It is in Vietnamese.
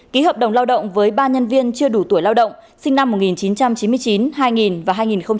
ký hợp đồng lao động với ba nhân viên chưa đủ tuổi lao động sinh năm một nghìn chín trăm chín mươi chín hai nghìn và hai nghìn một mươi